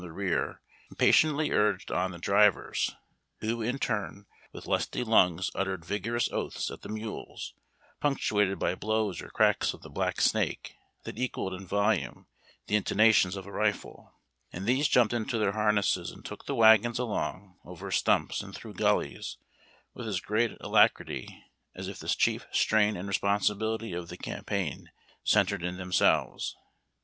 the rear, impatiently urged on the drivers, who, in turn, with lusty lungs uttered vigorous oaths at the mules, punctuated by blows or cracks of the black snake that equalled in volume the intonations of a rifle ; and these jumped into their harnesses and took the wagons along over stumps and through gullies witla as great alacrity as if the chief strain and responsibility of the campaign centred in themselves.